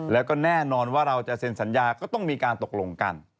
แล้วก็แน่นอนว่าเราจะเซ็นสัญญาก็ต้องมีการตกลงกัน